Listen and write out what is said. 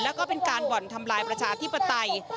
แล้วก็เป็นการบ่อนทำลายประชาธิปไตย